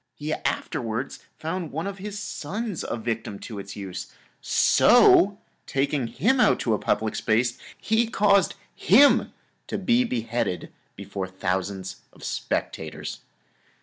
He afterwards found one of his sons a victim to its use, so taking him out to a public place, he caused him to be beheaded before thousands of spectators.